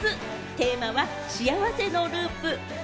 テーマは「幸せのループ」。